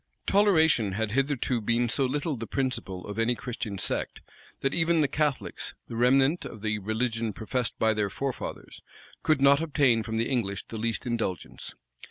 Toleration had hitherto been so little the principle of any Christian sect, that even the Catholics, the remnant of the religion professed by their forefathers, could not obtain from the English the least indulgence.